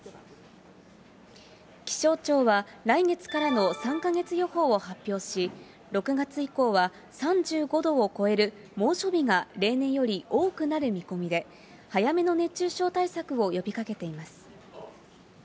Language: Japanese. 気象庁は、来月からの３か月予報を発表し、６月以降は、３５度を超える猛暑日が例年より多くなる見込みで、早めの熱中症対策を呼びかけています。